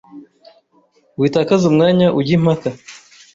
witakaza umwanya ujya impaka